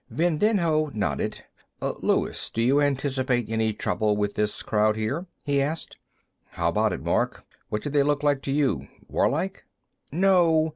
Vindinho nodded. "Luis, do you anticipate any trouble with this crowd here?" he asked. "How about it, Mark? What do they look like to you? Warlike?" "No."